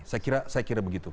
saya kira begitu